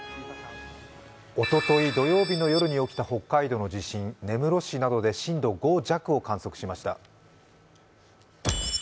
おととい土曜日の夜に起きた北海道の地震、根室市などで震度５弱を観測しました。